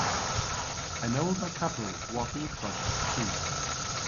An older couple walking across a street.